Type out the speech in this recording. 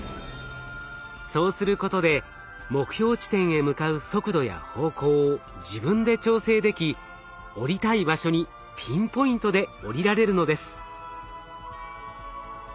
そうすることで目標地点へ向かう速度や方向を自分で調整でき降りたい場所にピンポイントで降りられるのです。